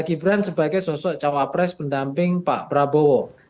gibran sebagai sosok calon pres pendamping pak prabowo